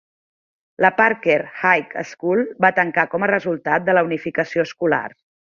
La Parker High School va tancar com a resultat de la unificació escolar.